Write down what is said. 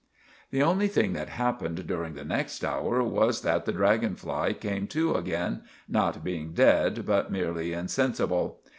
The only thing that happened during the next hour was that the draggon fly came to again, not being ded but merely incensible.